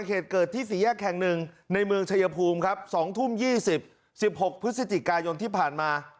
เหตุเกิดที่สี่แยกแห่งหนึ่งในเมืองชายภูมิครับ๒ทุ่ม๒๐๑๖พฤศจิกายนที่ผ่านมา